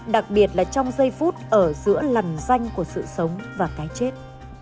đặc biệt là trong giây phút ở giữa lằn danh của sự sống và cái chết